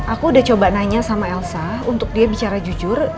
aku udah coba nanya sama elsa untuk dia bicara jujur